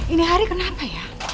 ini hari kenapa ya